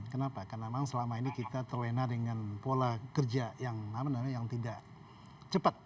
kenapa karena memang selama ini kita terlena dengan pola kerja yang tidak cepat